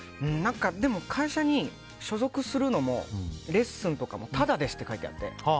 でも会社に所属するのもレッスンとかもタダですって書いてあって。